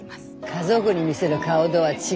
家族に見せる顔とは違うでしょ。